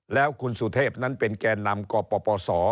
แล้วคุณสุเทพนั้นเป็นแก่นำก่อป่อป่อสอ